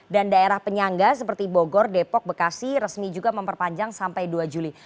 dan daerah penyangga seperti bogor depok bekasi resmi juga memperpanjang sampai dua juli